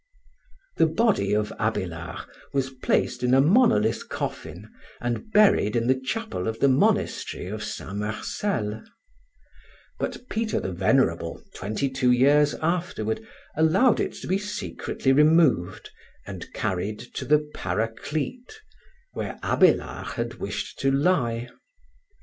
The body of Abélard was placed in a monolith coffin and buried in the chapel of the monastery of St. Marcel; but Peter the Venerable twenty two years afterward allowed it to be secretly removed, and carried to the Paraclete, where Abélard had wished to lie.